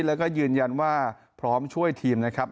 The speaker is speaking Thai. แล้วก็ยืนยันว่าพร้อมช่วยทีมนะครับ